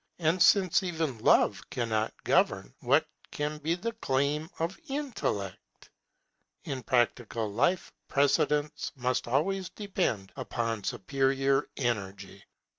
And since even Love cannot govern, what can be the claim of Intellect? In practical life precedence must always depend upon superior energy.